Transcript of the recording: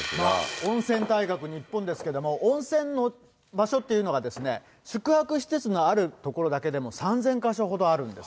温泉大国日本ですけども、温泉の場所っていうのがですね、宿泊施設のある所だけでも３０００か所ほどあるんです。